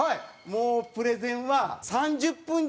もうプレゼンは３０分時代から。